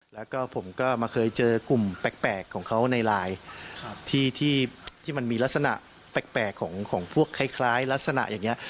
แล้วก็ผมก็มาเคยเจอกลุ่มแปลกของเขาในไลน์ที่มันมีลักษณะแปลกของพวกคล้ายลักษณะอย่างนี้